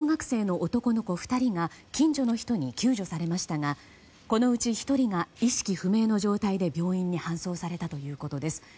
消防によりますと小学生の男の子２人が近所の人に救助されましたがこのうち１人が意識不明の状態で病院に搬送されたということです。